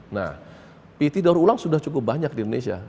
nah pt daur ulang sudah cukup banyak di indonesia